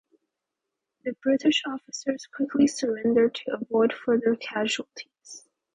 The British officers quickly surrendered to avoid further casualties.